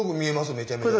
めちゃめちゃ。